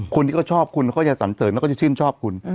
คนที่เขาชอบคุณเขาจะสันเสริญแล้วก็จะชื่นชอบคุณ